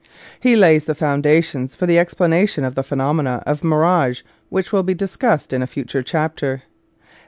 He lays the foundation for the ex planation of the phenomena of mirage, which will be discussed in a future chapter.